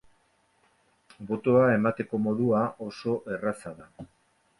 Botoa emateko modua oso erraza da.